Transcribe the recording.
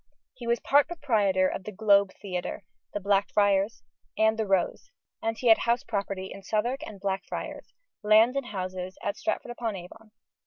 He was part proprietor of the Globe Theatre, the Blackfriars, and the Rose, he had house property in Southwark and Blackfriars, lands and houses at Stratford upon Avon.